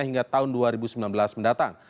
hingga tahun dua ribu sembilan belas mendatang